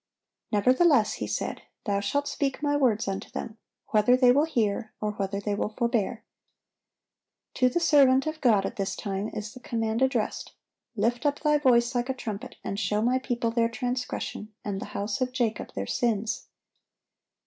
Nevertheless He said, "Thou shalt speak My words unto them, whether they will hear, or whether they will forbear."(771) To the servant of God at this time is the command addressed, "Lift up thy voice like a trumpet, and show My people their transgression, and the house of Jacob their sins."